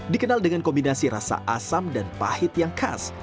dikenal dengan kombinasi rasa asam dan pahit yang khas